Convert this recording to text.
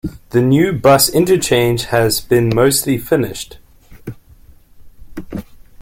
The new bus interchange has been mostly finished.